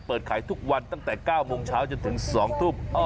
เปิดขายทุกวันตั้งแต่๙โมงเช้าจนถึง๒ทุ่ม